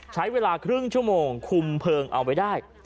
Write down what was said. ใช้เวลาครึ่งชั่วโมงคุมเพลิงเอาไว้ได้